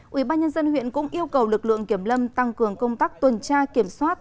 quỹ ban nhân dân huyện cũng yêu cầu lực lượng kiểm lâm tăng cường công tác tuần tra kiểm soát